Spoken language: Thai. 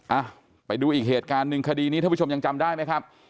อ่ะไปดูอีกเหตุการณ์หนึ่งคดีนี้ท่านผู้ชมยังจำได้ไหมครับ